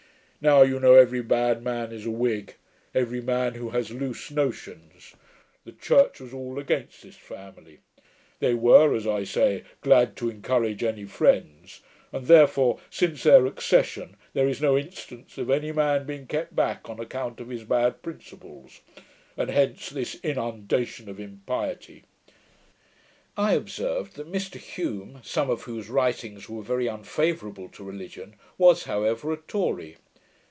Now you know every bad man is a Whig; every man who has loose notions. The Church was all against this family. They were, as I say, glad to encourage any friends; and therefore, since their accession, there is no instance of any man being kept back on account of his bad principles; and hence this inundation of impiety.' I observed that Mr Hume, some of whose writings were very unfavourable to religion, was, however, a Tory.